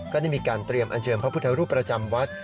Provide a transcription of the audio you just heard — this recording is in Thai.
ก็ได้มีการเตรียมอันเชิญพระพุทธรูปประจำวัด